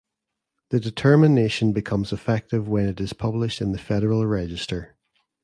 The determination becomes effective when it is published in the Federal Register.